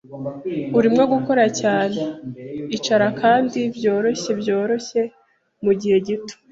Urimo gukora cyane. Icara kandi byoroshye byoroshye mugihe gito.